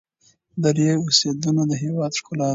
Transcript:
درې او سیندونه د هېواد ښکلا ده.